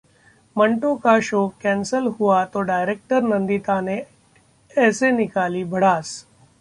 'मंटो' का show cancel हुआ तो डायरेक्टर नंदिता ने ऐसे निकाली भड़ास